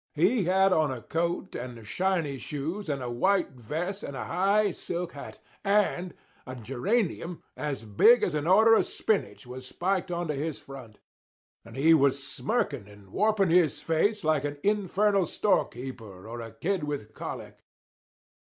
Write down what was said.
He had on a coat and shiny shoes and a white vest and a high silk hat; and a geranium as big as an order of spinach was spiked onto his front. And he was smirking and warping his face like an infernal storekeeper or a kid with colic.